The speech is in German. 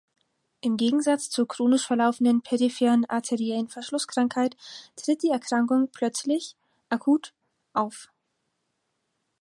Im Gegensatz zur chronisch verlaufenden peripheren arteriellen Verschlusskrankheit tritt die Erkrankung plötzlich (akut) auf.